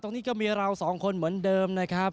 ตรงนี้ก็มีเราสองคนเหมือนเดิมนะครับ